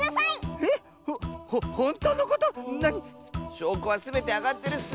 しょうこはすべてあがってるッス！